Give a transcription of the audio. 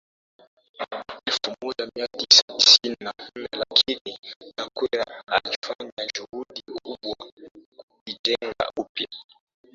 elfu moja mia tisa tisini na nne lakini Chakwera alifanya juhudi kubwa kukijenga upya